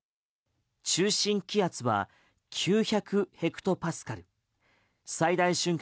中心気圧は９００ヘクトパスカル最大瞬間